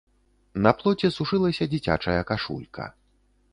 На плоце сушылася дзіцячая кашулька.